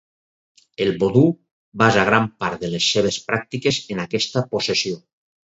El vodú basa gran part de les seves pràctiques en aquesta possessió.